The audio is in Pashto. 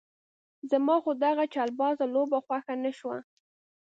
زما خو دغه چلبازه لوبه خوښه نه شوه.